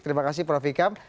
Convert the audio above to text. terima kasih prof aisyikam